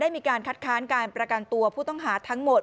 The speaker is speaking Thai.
มีการคัดค้านการประกันตัวผู้ต้องหาทั้งหมด